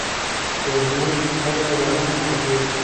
سپوږمۍ خپله رڼا کوي.